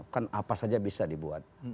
kan apa saja bisa dibuat